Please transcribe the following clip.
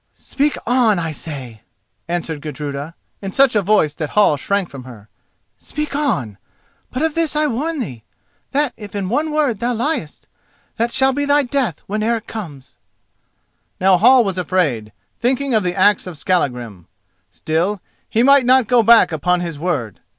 "Speak on, I say," answered Gudruda, in such a voice that Hall shrank from her. "Speak on; but of this I warn thee: that if in one word thou liest, that shall be thy death when Eric comes." Now Hall was afraid, thinking of the axe of Skallagrim. Still, he might not go back upon his word.